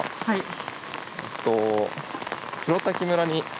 はい。